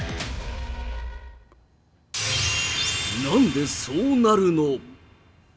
なんでそうなるの？